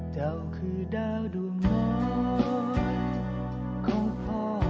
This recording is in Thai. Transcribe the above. เจ้าคือดาวดวงน้อยของพ่อ